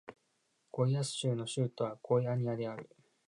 ゴイアス州の州都はゴイアニアである